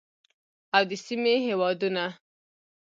او د سیمې هیوادونه